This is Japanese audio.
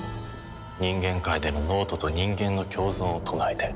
人間界での脳人と人間の共存を唱えて。